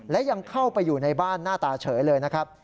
และยังเข้าไปอยู่ในบ้านหน้าตาเฉยเลยนะครับ